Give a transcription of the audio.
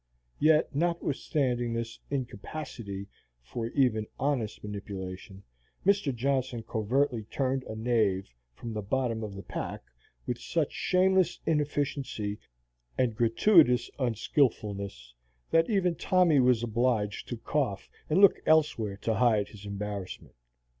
Yet, notwithstanding this incapacity for even honest manipulation, Mr. Johnson covertly turned a knave from the bottom of the pack with such shameless inefficiency and gratuitous unskilfulness, that even Tommy was obliged to cough and look elsewhere to hide his embarrassment.